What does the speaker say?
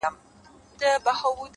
په خــــنــدا كيــسـه شـــــروع كړه ـ